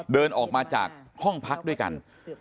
เดินออกมาจากห้องพักด้วยกัน